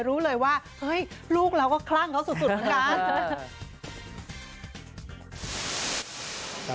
รู้เลยว่าลูกเราก็คลั่งเขาสุดนะ